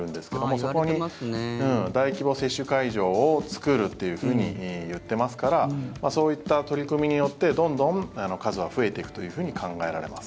そこに大規模接種会場を作るっていうふうに言っていますからそういった取り組みによってどんどん数は増えていくというふうに考えられます。